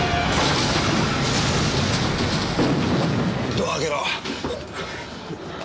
ドア開けろ。